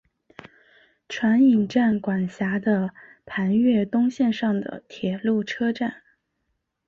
船引站管辖的磐越东线上的铁路车站。